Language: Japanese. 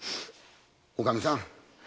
おかみさん